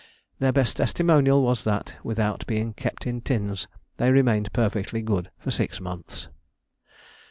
Their best testimonial was that, without being kept in tins, they remained perfectly good for six months.